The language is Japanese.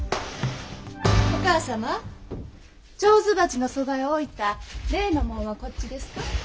お母様手水鉢のそばへ置いた例のもんはこっちですか？